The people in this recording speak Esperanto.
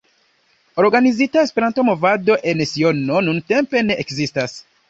Organizita Esperanto-movado en Siono nuntempe ne ekzistas.